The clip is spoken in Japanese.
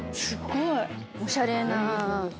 すごい！おしゃれな。